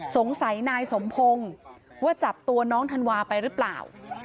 สงสัยนายสมพงศ์ว่าจับตัวน้องธันวาไปหรือเปล่า